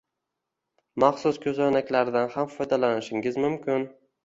Maxsus koʻzoynaklardan ham foydalanishingiz mumkin